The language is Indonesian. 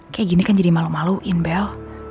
kayak gini kan jadi malu maluin bel